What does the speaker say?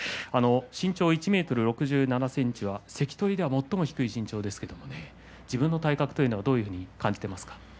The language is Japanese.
身長１ｍ６７ｃｍは関取では最も低い身長ですけれど自分の体格はどういうふうに感じていますか？